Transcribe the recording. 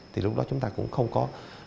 thì lúc đó chúng ta cũng không có